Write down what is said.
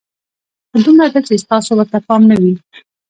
خو دومره ده چې ستاسو ورته پام نه وي.